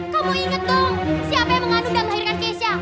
kamu inget dong siapa yang mengandung dan melahirkan keisha